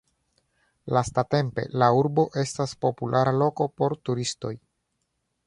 Lastatempe, la urbo estas populara loko por turistoj.